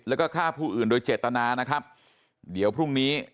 แล้วก็ฆ่าผู้อื่นโดยเจตนานะครับเดี๋ยวพรุ่งนี้